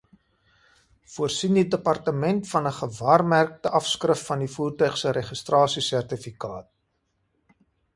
Voorsien die Departement van 'n gewaarmerkte afskrif van die voertuig se registrasiesertifikaat.